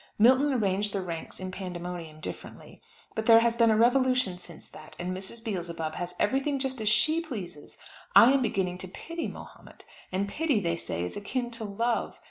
Milton arranged the ranks in Pandemonium differently; but there has been a revolution since that, and Mrs. Beelzebub has everything just as she pleases. I am beginning to pity Mahomet, and pity, they say, is akin to love.